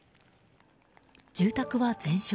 住宅は全焼。